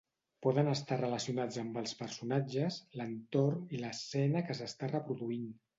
Poden estar relacionats amb els personatges, l"entorn i l"escena que s"està reproduint.